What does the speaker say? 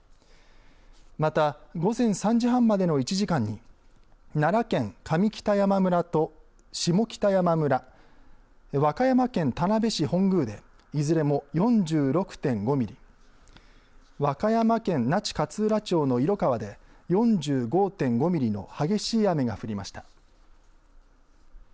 また、午前３時半までの１時間に奈良県上北山村と下北山村和歌山県田辺市本宮でいずれも４６．５ミリ和歌山県那智勝浦町の色川で４５．５ミリの激しい雨が降りました。